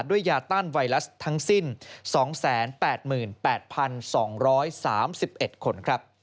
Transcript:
ด้วยยาต้านไวรัสทั้งสิ้น๒๘๘๒๓๑คน